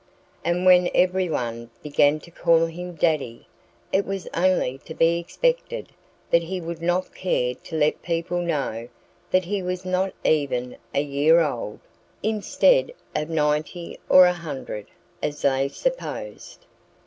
And when everyone began to call him "Daddy" it was only to be expected that he would not care to let people know that he was not even a year old instead of ninety or a hundred, as they supposed.